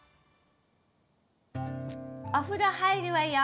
お風呂入るわよ。